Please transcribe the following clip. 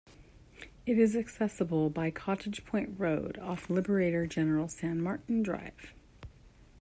It is accessible by Cottage Point Road off Liberator General San Martin Drive.